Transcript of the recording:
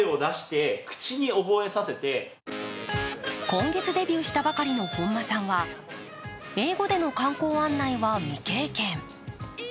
今月デビューしたばかりの本間さんは、英語での観光案内は未経験。